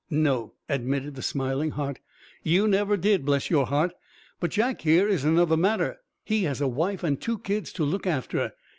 "No," admitted the smiling Hart, "you never did, bless your heart. But Jack here is another matter. He has a wife and two kids to look after.